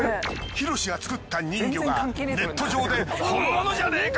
ヒロシが造った人魚がネット上で本物じゃねえか？